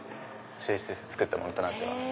抽出して作ったものとなってます。